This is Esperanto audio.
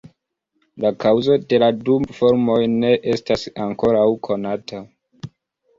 La kaŭzo de la du formoj ne estas ankoraŭ konata.